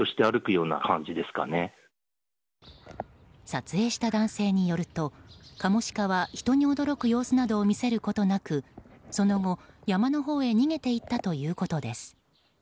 撮影した男性によるとカモシカは人に驚く様子などを見せることなくその後、山のほうに逃げて行ったということです。